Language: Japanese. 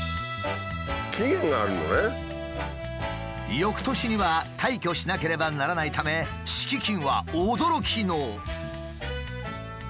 翌年には退去しなければならないため敷金は驚きの。